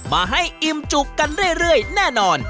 มาให้อิ่มจุกกันเรื่อยแน่นอน